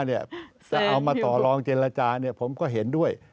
จะเอามาต่อลองเจรจาผมก็เห็นด้วย